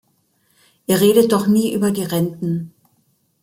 Ihr redet doch nie über die Renten!